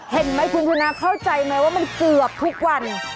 เห็นไหมคุณชนะเข้าใจไหมว่ามันเกือบทุกวัน